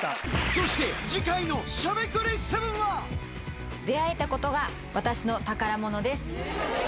そして次回のしゃべくり出会えたことが私の宝物です。